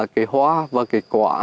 cái hoa và cái quả